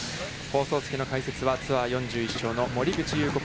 放送席の解説はツアー４１勝の森口祐子